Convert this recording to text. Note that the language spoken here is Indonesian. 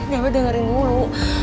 gak apa dengerin dulu